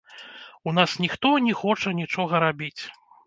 У нас ніхто не хоча нічога рабіць.